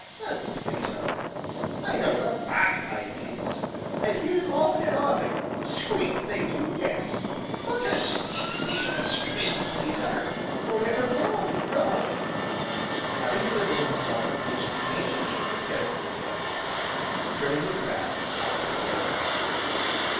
An', Peter, I know what a bagpipe is; I've heerd 'em often an' often squeak they do, yes, but a squeak bean't a scream, Peter, nor yet a groan no." Having delivered himself of which, the Ancient shook his head at me again, and, turning his back, hobbled away.